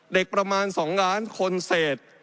ประมาณ๒ล้านคนเศษ